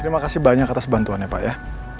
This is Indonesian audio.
terima kasih banyak atas bantuannya pak ya